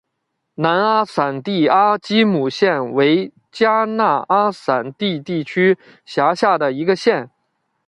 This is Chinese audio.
南阿散蒂阿基姆县为迦纳阿散蒂地区辖下的一县。